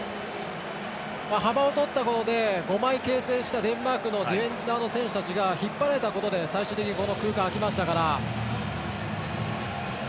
幅を取ったことで５枚形成していたデンマークのディフェンダーの選手たちが引っ張られて最終的にこの空間が空きましたから。